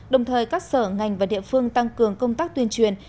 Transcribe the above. đồng thời các sở ngành và địa phương tăng cường công tác tuyên truyền